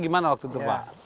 gimana waktu itu pak